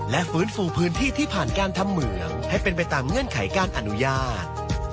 และฟื้นฟูพื้นที่ที่ผ่านการทำเหมืองให้เป็นไปตามเงื่อนไขการอนุญาต